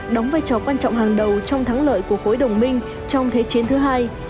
đóng vai trò quan trọng hàng đầu trong thắng lợi của khối đồng minh trong thế chiến thứ hai